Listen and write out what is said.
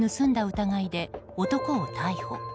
疑いで男を逮捕。